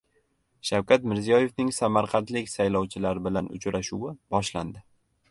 Shavkat Mirziyoyevning samarqandlik saylovchilar bilan uchrashuvi boshlandi